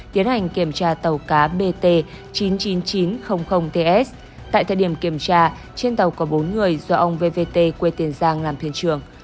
tiến hành kiểm tra tàu cá bt chín trăm chín mươi chín ts tại thời điểm kiểm tra trên tàu có bốn người do ông vvt quê tiền giang làm thuyền trưởng